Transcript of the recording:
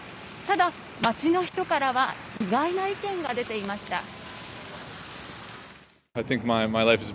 ただ、街の人からは意外な意見が出ていました。